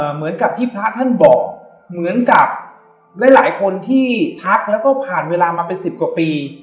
เหมือนกับที่พระท่านบอกเหมือนกับหลายคนที่ทักแล้วก็ผ่านเวลามาเป็น๑๐กว่าปี